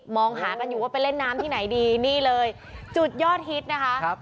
มองหากันอยู่ว่าไปเล่นน้ำที่ไหนดีนี่เลยจุดยอดฮิตนะคะ